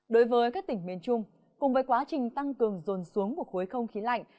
đối với các tỉnh miền trung cùng với quá trình tăng cường dồn xuống của khối không khí lạnh